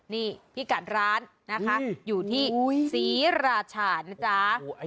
นี่พี่กัดร้านนะคะอยู่ที่ศรีราชานะจ๊ะ